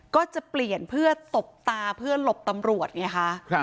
ก็จะเปลี่ยนเพื่อตบตาเพื่อหลบตำรวจไงคะ